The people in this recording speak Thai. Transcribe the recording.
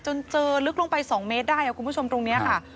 จนเจอลึกลงไป๒เมตรได้คุณผู้ชมตรงนี้ค่ะ